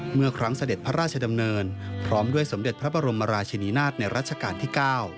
เมื่อครั้งเสด็จพระราชดำเนินพร้อมด้วยสมเด็จพระบรมราชินินาศในรัชกาลที่๙